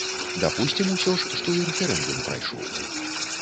Дапусцім усё ж, што і рэферэндум прайшоў.